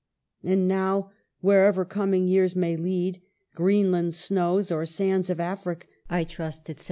And now, wherever coming years may lead — Greenland's snows or sands of Afric — I trust, etc.